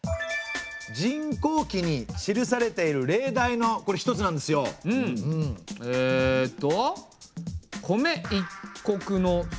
「塵劫記」に記されている例題のこれ一つなんですよ。えっと。